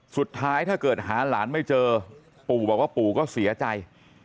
ถ้าเกิดหาหลานไม่เจอปู่บอกว่าปู่ก็เสียใจ